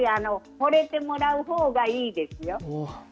でもやっぱりほれてもらうほうがいいですよ。